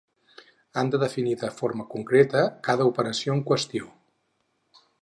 Han de definir de forma concreta cada operació en qüestió.